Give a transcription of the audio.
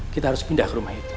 kita harus pindah ke rumah itu